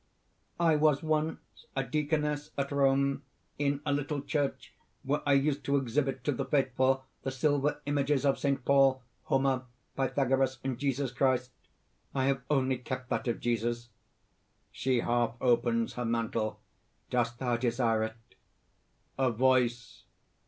"I was once a deaconess at Rome, in a little church, where I used to exhibit to the faithful, the silver images, of Saint Paul, Homer, Pythagoras and Jesus Christ. "I have only kept that of Jesus." (She half opens her mantle.) "Dost thou desire it?" A VOICE.